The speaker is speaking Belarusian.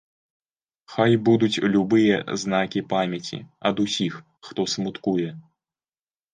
Хай будуць любыя знакі памяці, ад усіх, хто смуткуе.